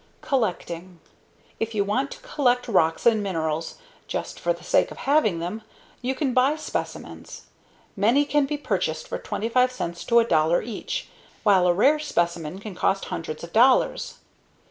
COLLECTING If you want to collect rocks and minerals just for the sake of having them, you can buy specimens. Many can be purchased for 25 cents to $1 each, while a rare specimen can cost hundreds of dollars.